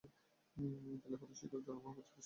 বিদ্যালয়ের প্রধান শিক্ষক জনাব মোহাম্মদ ফিরোজ হোসাইন।